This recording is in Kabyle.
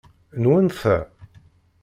Nwen ta?